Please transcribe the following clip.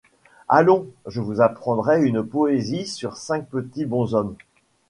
Allons, je vous apprendrai une poésie sur cinq petits bonshommes.